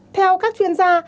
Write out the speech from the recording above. theo các chuyên gia